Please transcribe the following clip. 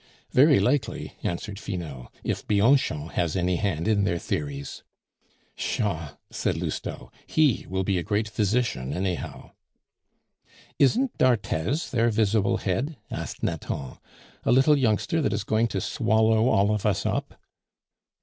"Very likely," answered Finot, "if Bianchon has any hand in their theories." "Pshaw!" said Lousteau; "he will be a great physician anyhow." "Isn't d'Arthez their visible head?" asked Nathan, "a little youngster that is going to swallow all of us up."